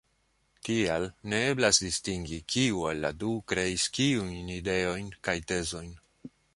Tial ne eblas distingi, kiu el la du kreis kiujn ideojn kaj tezojn.